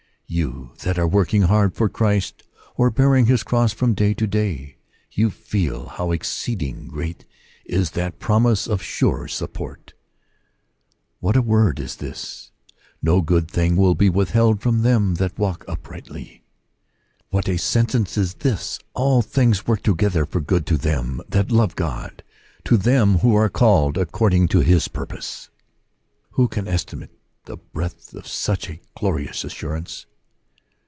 You that are working hard for Christ, or bearing his cross from day to day, you feel how exceeding great is that promise of sure support. What a word is this :" No good thing will be withheld from them that walk uprightly "! What a sentence is this :" All things work together for good to them that love God, to them who are the called according to his purpose ! Who can estimate the breadth of such a gracious assurance